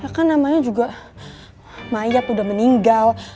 kan namanya juga mayat udah meninggal